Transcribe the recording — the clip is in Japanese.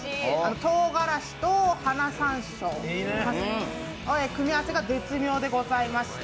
とうがらしと花さんしょうの組み合わせが絶妙でございまして、